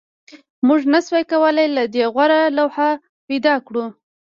موږ نشوای کولی له دې غوره لوحه پیدا کړو